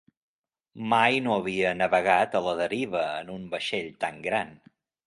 Mai no havia navegat a la deriva en un vaixell tan gran.